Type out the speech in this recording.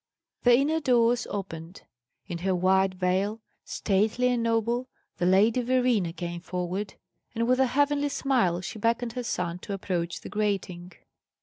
The inner doors opened. In her white veil, stately and noble, the Lady Verena came forward, and with a heavenly smile she beckoned her son to approach the grating.